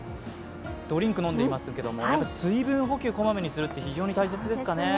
ドリンク飲んでいますけど水分補給、こまめにするって、本当に大切ですね。